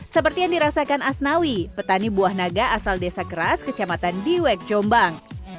seperti yang dirasakan asnawi petani buah naga asal desa keras kecamatan diwek jombang